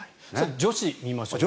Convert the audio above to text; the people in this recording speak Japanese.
女子、見ましょう。